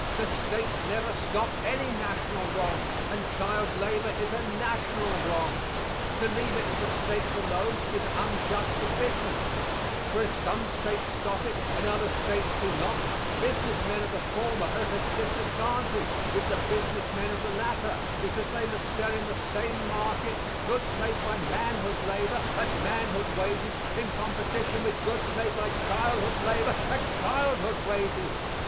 The States never stopped any national wrong and child labor is a national wrong. To leave it to the State alone is unjust to business; for if some States stop it and other States do not, business men of the former are at a disadvantage with the business men of the latter, because they must sell in the same market goods made by manhood labor at manhood wages in competition with goods made by childhood labor at childhood wages.